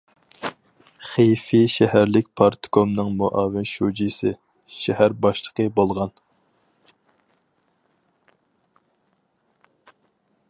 خېفېي شەھەرلىك پارتكومنىڭ مۇئاۋىن شۇجىسى، شەھەر باشلىقى بولغان.